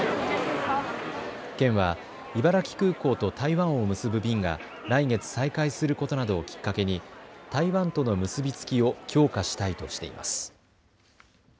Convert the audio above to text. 県は茨城空港と台湾を結ぶ便が来月再開することなどをきっかけに台湾との結び付きを強化したいとしています。